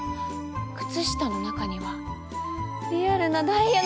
靴下の中にはリアルなダイヤの指輪も！